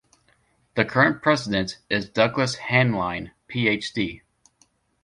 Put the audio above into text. The current president is Douglas Haneline, PhD.